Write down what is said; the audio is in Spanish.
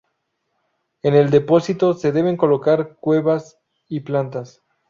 En el depósito se deben colocar cuevas y plantas.